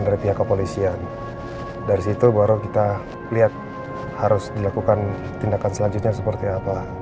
dari pihak kepolisian dari situ baru kita lihat harus dilakukan tindakan selanjutnya seperti apa